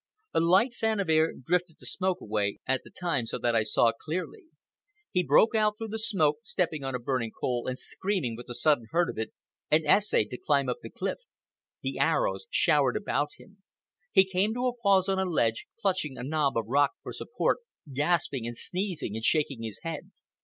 A light fan of air drifted the smoke away at the time so that I saw clearly. He broke out through the smoke, stepping on a burning coal and screaming with the sudden hurt of it, and essayed to climb up the cliff. The arrows showered about him. He came to a pause on a ledge, clutching a knob of rock for support, gasping and sneezing and shaking his head.